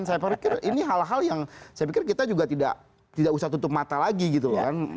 saya pikir ini hal hal yang saya pikir kita juga tidak usah tutup mata lagi gitu loh kan